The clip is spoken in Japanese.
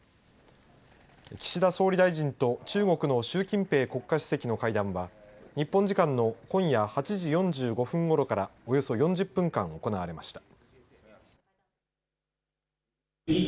岸田総理大臣と中国の習近平国家主席の会談は日本時間の今夜８時４５分ごろからおよそ４０分間行われました。